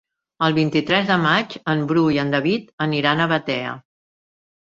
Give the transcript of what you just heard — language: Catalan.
El vint-i-tres de maig en Bru i en David aniran a Batea.